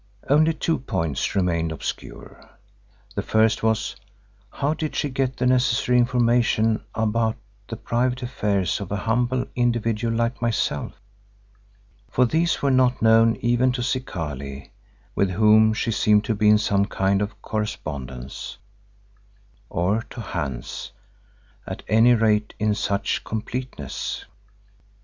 Only two points remained obscure. The first was—how did she get the necessary information about the private affairs of a humble individual like myself, for these were not known even to Zikali with whom she seemed to be in some kind of correspondence, or to Hans, at any rate in such completeness?